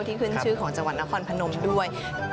ขึ้นชื่อของจังหวัดนครพนมด้วย